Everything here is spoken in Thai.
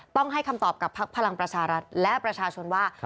ต้องให้คำตอบกับพักพลังประชารัฐและประชาชนว่า